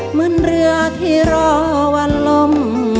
เหมือนเรือที่รอวันลม